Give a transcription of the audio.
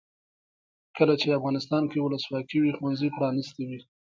کله چې افغانستان کې ولسواکي وي ښوونځي پرانیستي وي.